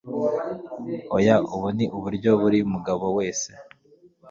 oya ubu ni uburyo buri mugabo wese